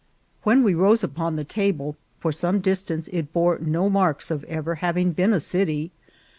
When we rose upon the table, for some distance it bore no marks of ever having been a city.